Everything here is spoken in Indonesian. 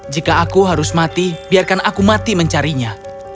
jika aku harus mati biarkan aku mati mencarinya